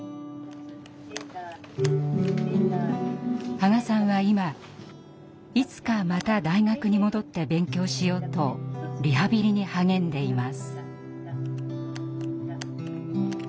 波賀さんは今いつかまた大学に戻って勉強しようとリハビリに励んでいます。